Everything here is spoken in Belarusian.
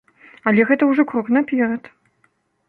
Але гэта ўжо крок наперад.